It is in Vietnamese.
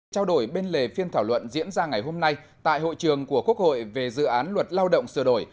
trao đổi bên lề phiên thảo luận diễn ra ngày hôm nay tại hội trường của quốc hội về dự án luật lao động sửa đổi